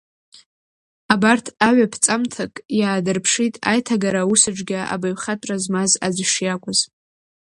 Абарҭ аҩ-аԥҵамҭак иаадырԥшит аиҭагара аус аҿгьы абаҩхатәра змаз аӡәы шиакәыз.